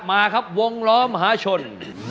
มาครับวงล้อมหาชน